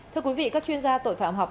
thưa quý vị các chuyên gia tội phạm học